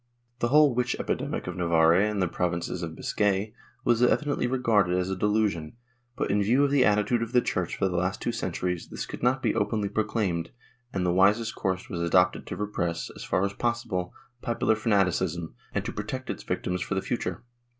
The whole witch epidemic of Navarre and the Provinces of Biscay was evidently regarded as a delusion but, in view of the attitude of the Church for the last two centuries, this could not be openly proclaimed and the wisest course was adopted to repress, as far as possible, popular fanaticism, and to protect its victims for the future.